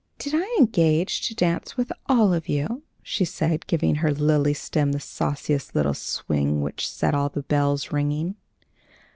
"Did I engage to dance with all of you?" she said, giving her lily stem the sauciest little swing, which set all the bells ringing.